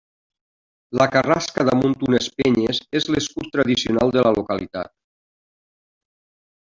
La carrasca damunt unes penyes és l'escut tradicional de la localitat.